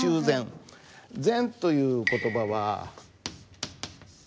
「繕」という言葉は。